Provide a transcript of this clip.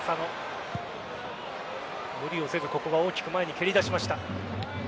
無理をせずここは大きく前に蹴り出しました。